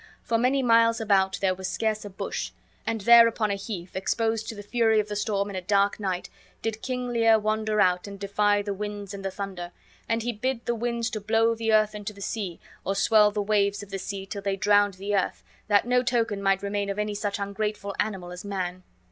For many miles about there was scarce a bush; and there upon a heath, exposed to the fury of the storm in a dark night, did King Lear wander out, and defy the winds and the thunder; and he bid the winds to blow the earth into the sea, or swell the waves of the sea till they drowned the earth, that no token might remain of any such ungrateful animal as man.